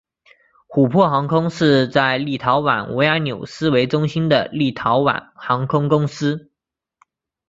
琥珀航空是在立陶宛维尔纽斯为中心的立陶宛航空公司。